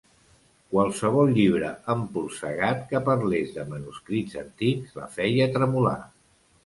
Qualsevol llibre empolsegat que parlés de manuscrits antics la feia tremolar.